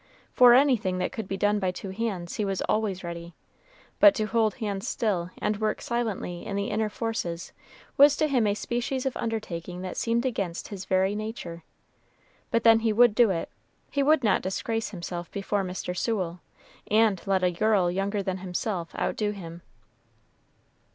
For anything that could be done by two hands, he was always ready; but to hold hands still and work silently in the inner forces was to him a species of undertaking that seemed against his very nature; but then he would do it he would not disgrace himself before Mr. Sewell, and let a girl younger than himself outdo him.